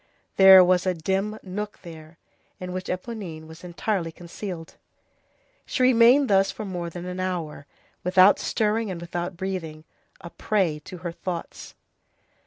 There was a dim nook there, in which Éponine was entirely concealed. She remained thus for more than an hour, without stirring and without breathing, a prey to her thoughts.